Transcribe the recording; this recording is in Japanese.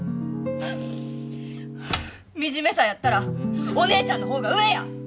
はあ惨めさやったらお姉ちゃんの方が上や！